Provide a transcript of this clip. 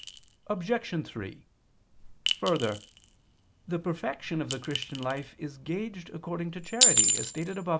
Obj. 3: Further, the perfection of the Christian life is gauged according to charity, as stated above (A.